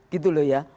gitu loh ya